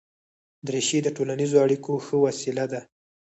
دریشي د ټولنیزو اړیکو ښه وسیله ده.